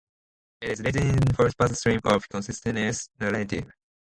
It is written in first person stream of consciousness narrative.